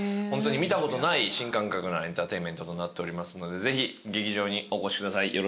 ホントに見たことない新感覚なエンターテインメントとなっていますのでぜひ劇場にお越しください。